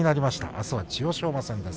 あすは千代翔馬戦です。